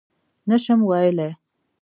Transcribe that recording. _نه شم ويلای.